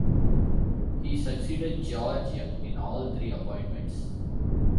He succeeded George Young in all three appointments.